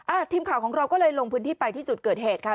ทีมข่าวของเราก็เลยลงพื้นที่ไปที่จุดเกิดเหตุค่ะ